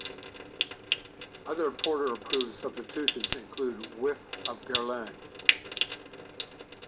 Other Porter-approved substitutions include whiff of Guerlain.